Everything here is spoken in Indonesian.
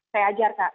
saya ajar kak